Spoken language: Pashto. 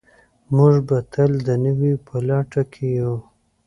موږ به تل د نوي په لټولو کې یو.